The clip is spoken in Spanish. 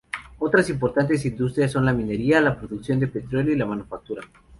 Otras importantes industrias son la minería, la producción de petróleo y la manufactura.